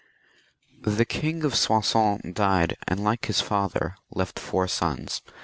The King of Soissons died, and, like his father, left four sons.